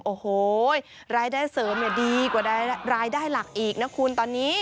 โอ้โหรายได้เสริมเนี่ยดีกว่ารายได้หลักอีกนะคุณตอนนี้